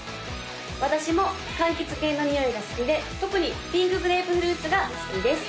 私も柑橘系のにおいが好きで特にピンクグレープフルーツが好きです